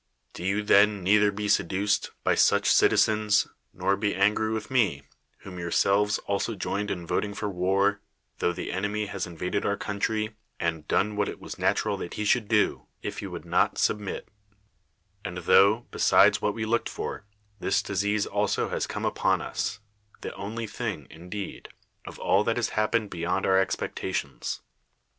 Do you then neither be seduced by such citi 31 THE WORLD'S FAMOUS ORATIONS zens, nor be angry with me, whom yourselves ^Iso joined in voting for war, tho the enemy has invaded our country, and done what it was nat ural that he should do, if you would not sub mit; and tho, besides what we looked for, this disease also has come upon us — the only thing, indeed, of all that has happened beyond our ex pectations.